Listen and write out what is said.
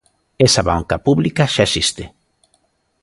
Esa banca pública xa existe.